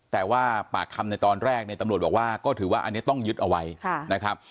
แต่ว่าปากคำในตอนแรกเนี่ยตำรวจบอกว่าก็ถือว่าอันนี้ต้องยึดเอาไว้นะครับ